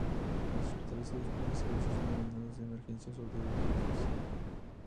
En los hospitales se dispone de servicios denominados "de emergencias" o "de urgencias".